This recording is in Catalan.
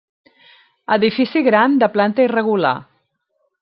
Edifici gran de planta irregular.